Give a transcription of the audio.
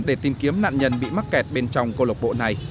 để tìm kiếm nạn nhân bị mắc kẹt bên trong câu lộc bộ này